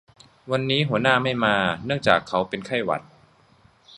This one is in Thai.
วันนี้หัวหน้าไม่มาเนื่องจากเขาเป็นไข้หวัด